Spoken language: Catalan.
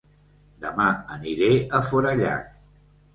Dema aniré a Forallac